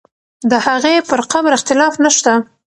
د هغې پر قبر اختلاف نه شته.